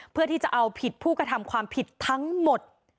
เพื่อที่จะเอาผิดผู้กระทำความผิดทั้งหมด